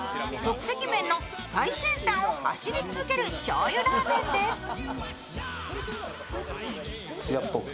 即席麺の最先端を走り続けるしょうゆラーメンです。